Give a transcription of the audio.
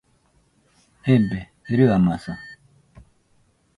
Ebe, rɨamaza